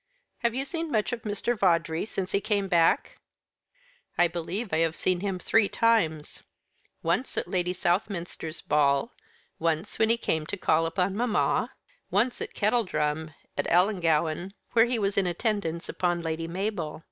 Have you seen much of Mr. Vawdrey since he came back?" "I believe I have seen him three times: once at Lady Southminster's ball; once when he came to call upon mamma; once at kettledrum at Ellangowan, where he was in attendance upon Lady Mabel.